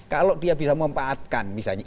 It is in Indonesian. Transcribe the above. kalau dia bisa memanfaatkan misalnya